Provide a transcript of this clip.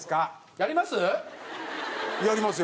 やりますよ。